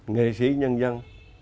nghệ sĩ nhân dân